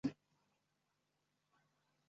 李敏是一名中国女子花样游泳运动员。